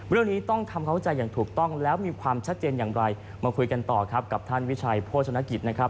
เรื่องนี้ต้องทำความเข้าใจอย่างถูกต้องแล้วมีความชัดเจนอย่างไรมาคุยกันต่อครับกับท่านวิชัยโภชนกิจนะครับ